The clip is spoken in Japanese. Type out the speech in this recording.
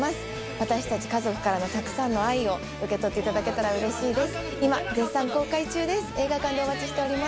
私たち家族からのたくさんの愛を受け取っていただけたらうれしい・あっ！